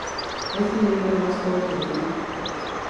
Es el miembro más joven del equipo.